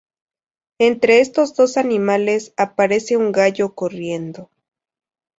Entre estos dos animales aparece un gallo corriendo.